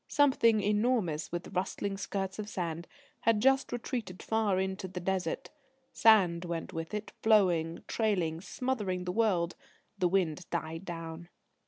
Something enormous, with rustling skirts of sand, had just retreated far into the Desert. Sand went with it flowing, trailing, smothering the world. The wind died down.